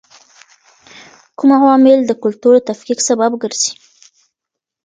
کوم عوامل د کلتور د تفکیک سبب ګرځي؟